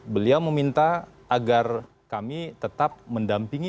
beliau meminta agar kami tetap mendampingi dalam hal ini